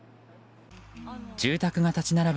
住宅が立ち並ぶ